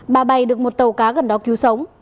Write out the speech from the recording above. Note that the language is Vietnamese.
bà bay được một tàu cá gần đó cứu sống